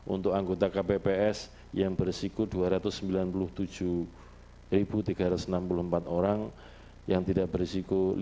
untuk anggota kpps yang berisiko dua ratus sembilan puluh tujuh tiga ratus enam puluh empat orang yang tidak berisiko